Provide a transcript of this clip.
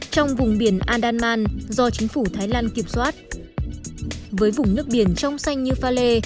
trong vùng biển adanan do chính phủ thái lan kiểm soát với vùng nước biển trong xanh như pha lê